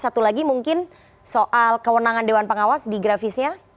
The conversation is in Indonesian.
satu lagi mungkin soal kewenangan dewan pengawas di grafisnya